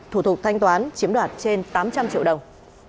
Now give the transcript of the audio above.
thủ tục thanh toán chiếm đoạt trên tám trăm linh triệu đồng